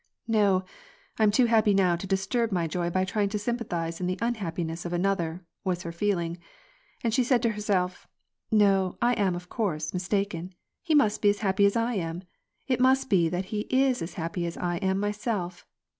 "No, I'm too happy now to disturb my joy by trying to sym pathize in the unhappiness of another," was her feeling, and she said to herself :" No, I am, of course, mistaken ; he must be as happy as I am ! it must be that he is as happy as I am myself.